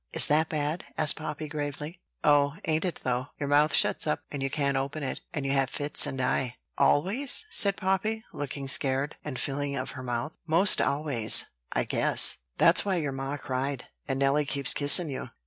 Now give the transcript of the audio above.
"Is that bad?" asked Poppy gravely. "Oh, ain't it, though! Your mouth shuts up, and you can't open it; and you have fits and die." "Always?" said Poppy, looking scared, and feeling of her mouth. "'Most always, I guess. That's why your ma cried, and Nelly keeps kissin' you."